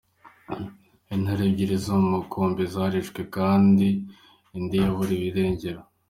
Intare ebyiri zo mu mukumbi zarishwe kandi indi yaburiwe irengero.